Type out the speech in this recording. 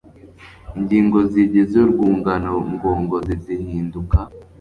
ingingo zigize urwungano ngogozi zihinduka